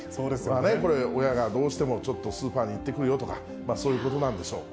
これ、親がどうしてもちょっとスーパーに行ってくるよとか、そういうことなんでしょう。